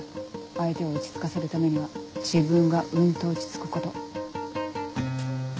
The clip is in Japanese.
相手を落ち着かせるためには自分がうんと落ち着くこと。